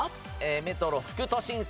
メトロ副都心線。